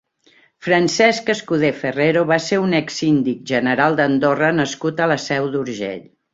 Francesc Escudé Ferrero va ser un exsíndic general d'Andorra nascut a la Seu d'Urgell.